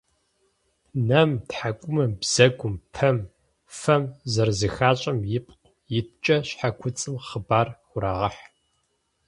Нэм, тхьэкӏумэм, бзэгум, пэм, фэм зэрызыхащӏэм ипкъ иткӏэ щхьэкуцӏым хъыбар «хурагъэхь».